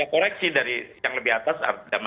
koreksi dari yang lebih atas